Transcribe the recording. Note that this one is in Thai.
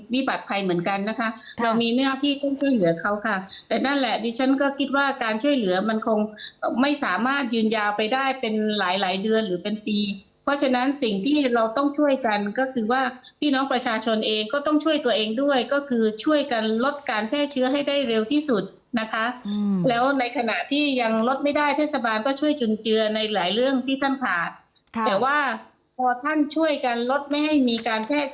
มีบัตรภัยเหมือนกันนะคะเรามีหน้าที่ต้องช่วยเหลือเขาค่ะแต่นั่นแหละดิฉันก็คิดว่าการช่วยเหลือมันคงไม่สามารถยืนยาวไปได้เป็นหลายหลายเดือนหรือเป็นปีเพราะฉะนั้นสิ่งที่เราต้องช่วยกันก็คือว่าพี่น้องประชาชนเองก็ต้องช่วยตัวเองด้วยก็คือช่วยกันลดการแพร่เชื้อให้ได้เร็วที่สุดนะคะอืมแล้วในข